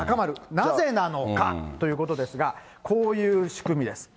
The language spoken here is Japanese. なぜなのかということですが、こういう仕組みです。